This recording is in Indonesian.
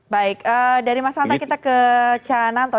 baik dari mas anta kita ke cananto